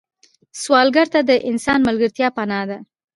سوالګر ته د انسان ملګرتیا پناه ده